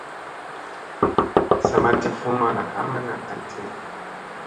Sa ma ti fu ma ndat ɦammana a tina.